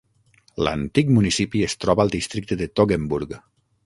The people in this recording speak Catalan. L'antic municipi es troba al districte de Toggenburg.